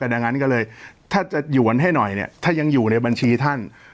ดังนั้นก็เลยถ้าจะหยวนให้หน่อยเนี่ยถ้ายังอยู่ในบัญชีท่าน